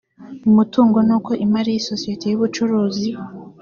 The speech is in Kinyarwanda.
umutungo n uko imari y isosiyete y ubucuruzi